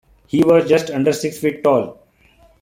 He was just under six feet tall.